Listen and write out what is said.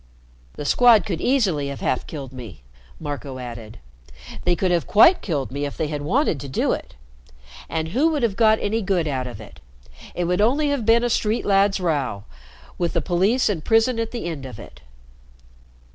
"The Squad could easily have half killed me," Marco added. "They could have quite killed me, if they had wanted to do it. And who would have got any good out of it? It would only have been a street lads' row with the police and prison at the end of it."